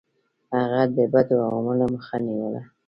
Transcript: هغه د بدو عواملو مخه نیوله.